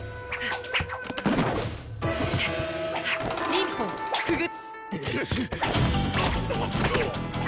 忍法傀儡！